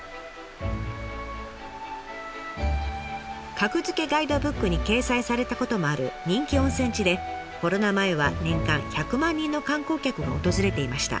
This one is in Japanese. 格付けガイドブックに掲載されたこともある人気温泉地でコロナ前は年間１００万人の観光客が訪れていました。